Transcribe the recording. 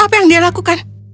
apa yang dia lakukan